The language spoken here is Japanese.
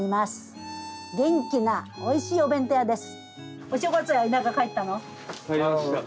元気なおいしいお弁当屋です。